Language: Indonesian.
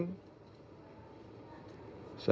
banyak hal yang belum memuaskan